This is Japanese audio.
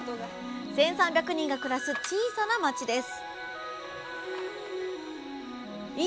１，３００人が暮らす小さな町です